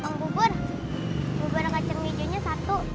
bang bubur bubur kacang hija nya satu